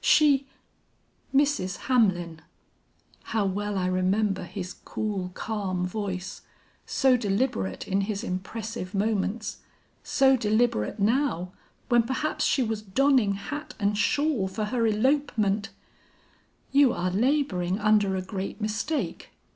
She ' "'Mrs. Hamlin!' How well I remember his cool, calm voice, so deliberate in his impressive moments, so deliberate now, when perhaps she was donning hat and shawl for her elopement 'You are laboring under a great mistake.